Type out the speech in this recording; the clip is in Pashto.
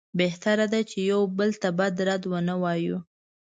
بهتره ده چې یو بل ته بد رد ونه وایو.